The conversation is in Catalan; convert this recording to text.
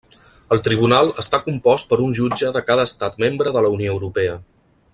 El tribunal està compost per un jutge de cada Estat membre de la Unió Europea.